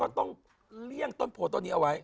ต้องเลี่ยงต้นโพต้นนี้เอาไว้